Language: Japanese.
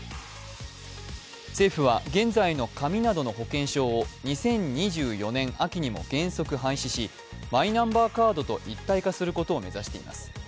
政府は現在の紙などの保険証を２０２４年秋にも原則廃止し、マイナンバーカードと一体化することを目指しています。